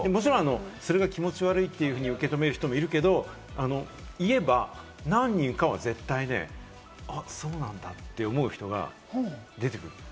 もちろんそれが気持ち悪いって受け止める人もいるけれども、言えば何人かは絶対、そうなんだって思う人が出てくる。